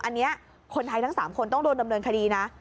อันนี้คนไทยทั้ง๓คนต้องโดนดำเนินคดีนะ